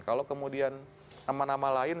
kalau kemudian nama nama lain